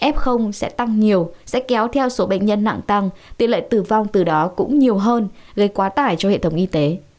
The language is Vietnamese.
f sẽ tăng nhiều sẽ kéo theo số bệnh nhân nặng tăng tỷ lệ tử vong từ đó cũng nhiều hơn gây quá tải cho hệ thống y tế